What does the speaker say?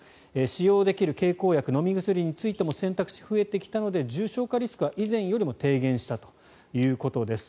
使用できる経口薬、飲み薬についても選択肢、増えてきたので重症化リスクは以前よりも低減したということです。